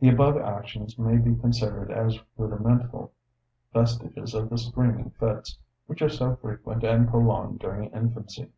The above actions may be considered as rudimental vestiges of the screaming fits, which are so frequent and prolonged during infancy.